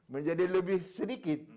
menjadi lebih sedikit